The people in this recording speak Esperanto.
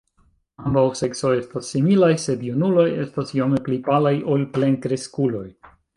Ambaŭ seksoj estas similaj, sed junuloj estas iome pli palaj ol plenkreskuloj.